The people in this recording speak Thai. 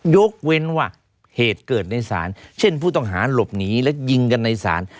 ยกเว้นว่าเหตุเกิดในศาลเช่นผู้ต้องหาหลบหนีและยิงกันในศาล